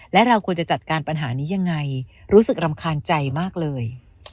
และเราควรจะจัดการปัญหานี้ยังไงรู้สึกรำคาญใจมากเลย